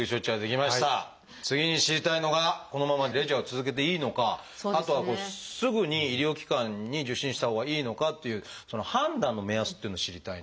次に知りたいのがこのままレジャーを続けていいのかあとはすぐに医療機関に受診したほうがいいのかっていうその判断の目安っていうのを知りたいんですが。